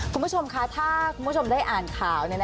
คุณผู้ชมคะถ้าคุณผู้ชมได้อ่านข่าว